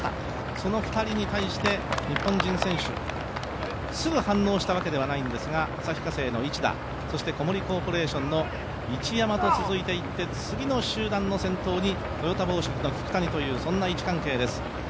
その２人に対して、日本人選手、すぐ反応したわけではないんですが旭化成の市田そして小森コーポレーションの市山と続いていって次の集団の先頭にトヨタ紡織の聞谷という位置関係です。